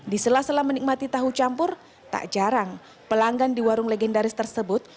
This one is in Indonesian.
di sela sela menikmati tahu campur tak jarang pelanggan di warung legendaris tersebut